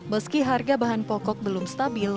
meski harga bahan pokok belum stabil